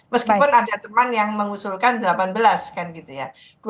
meskipun ada teman yang mengusulkan delapan belas kan gitu ya